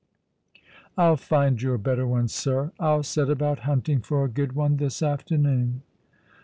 "I'll find you a better one, sir. I'll set about hunting for a good one this afternoon."